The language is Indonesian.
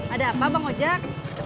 ada apa bang ojek